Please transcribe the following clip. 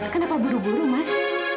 kenapa buru buru mas